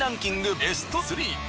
ベスト３！